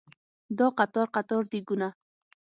دا قطار قطار دیګونه